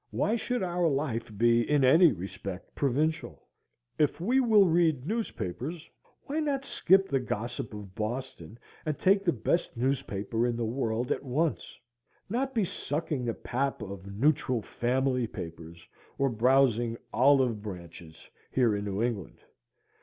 Why should our life be in any respect provincial? If we will read newspapers, why not skip the gossip of Boston and take the best newspaper in the world at once?—not be sucking the pap of "neutral family" papers, or browsing "Olive Branches" here in New England.